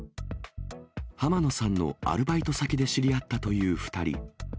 浜野さんのアルバイト先で知り合ったという２人。